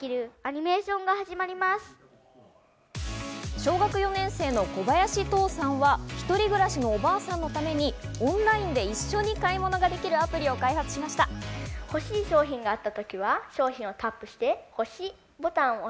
小学４年生の小林都央さんは１人暮らしのおばあさんのためにオンラインで一緒に買い物ができるアプリを開発しました。